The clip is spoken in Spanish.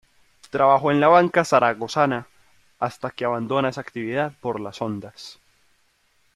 Trabajó en la Banca Zaragozana hasta que abandona esa actividad por las ondas.